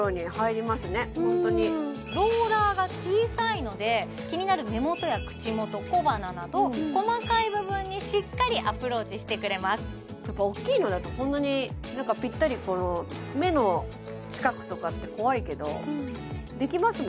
ローラーが小さいので気になる目元や口元小鼻など細かい部分にしっかりアプローチしてくれますやっぱ大きいのだとこんなにぴったりこの目の近くとかって怖いけどできます